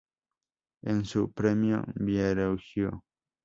En su "“Il Premio Viareggio?